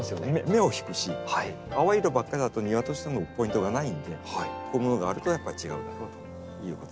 目を引くし淡い色ばっかりだと庭としてのポイントがないんでこういうものがあるとやっぱり違うだろうということですね。